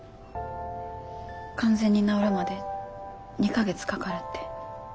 完全に治るまで２か月かかるって。